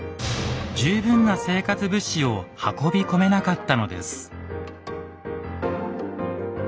十分な生活物資を運び込めなかったのです。